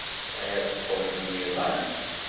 Tesɛid kuẓ n yiḍan.